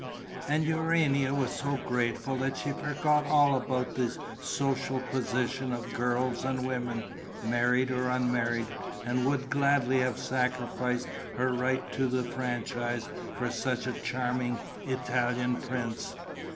And Urania was so grateful that she forgot all about the social position of girls and women, married or unmarried, and would gladly have sacrificed her right to the franchise for such a charming Italian prince.